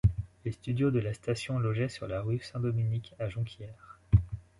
Les studios de la station logeaient sur la rue Saint-Dominique à Jonquière.